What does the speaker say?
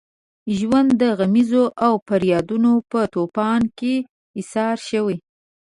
ژوند د غمیزو او فریادونو په طوفان کې ایسار شوی.